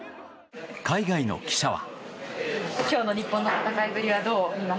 海外の記者は。